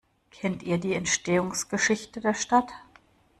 Kennt ihr die Entstehungsgeschichte der Stadt?